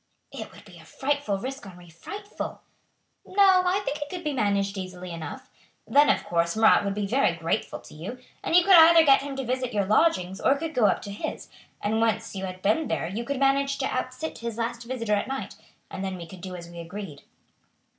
"It would be a frightful risk, Henri, frightful!" "No, I think it could be managed easily enough. Then, of course, Marat would be very grateful to you, and you could either get him to visit your lodgings or could go up to his, and once you had been there you could manage to outsit his last visitor at night, and then we could do as we agreed."